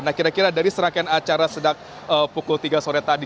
nah kira kira dari serangkaian acara sejak pukul tiga sore tadi